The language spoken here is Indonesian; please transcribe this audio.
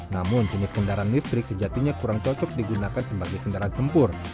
namun jenis kendaraan listrik sejatinya kurang cocok digunakan sebagai kendaraan tempur